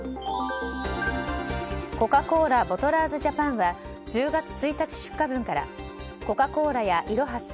コカ・コーラボトラーズジャパンは１０月１日出荷分からコカ・コーラやい・ろ・は・す